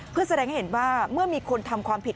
เพื่อแสดงให้เห็นว่าเมื่อมีคนทำความผิด